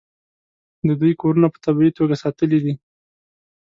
د دوی کورونه په طبیعي توګه ساتلي دي.